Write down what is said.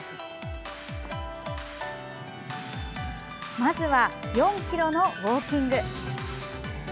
まずは４ｋｍのウォーキング。